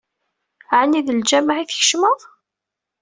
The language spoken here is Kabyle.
Ɛni d lǧameɛ i d-tkecmeḍ?